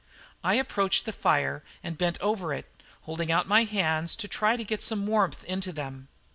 I approached the fire and bent over it, holding out my hands to try and get some warmth into them.